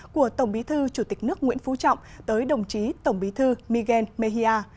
của tổng bí thư chủ tịch nước nguyễn phú trọng tới đồng chí tổng bí thư miguel mea